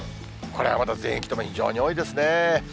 これはまた全域とも非常に多いですね。